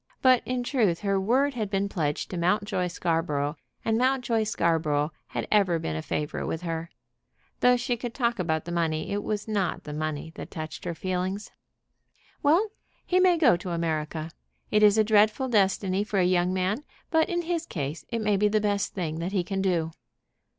But in truth her word had been pledged to Mountjoy Scarborough, and Mountjoy Scarborough had ever been a favorite with her. Though she could talk about the money, it was not the money that touched her feelings. "Well; he may go to America. It is a dreadful destiny for a young man, but in his case it may be the best thing that he can do."